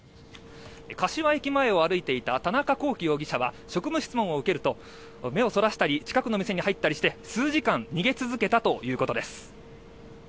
柏駅前を歩いていた田中聖容疑者は職務質問を受けると目をそらしたり近くの店に入ったりして数時間逃げ続けたということです。